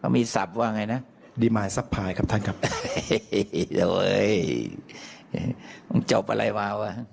เขามีทรัพย์ว่าไงนะดีไม้ซับพายครับท่านครับโอ้โฮเห้ยมึงจบอะไรว่าว่า